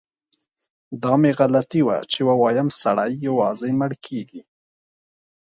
دا مې غلطي وه چي ووایم سړی یوازې مړ کیږي.